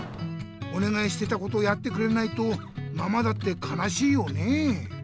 おねがいしてたことをやってくれないとママだってかなしいよね。